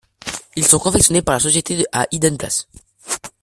Ils sont confectionnés par la société A Hidden Place.